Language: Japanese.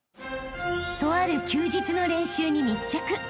［とある休日の練習に密着］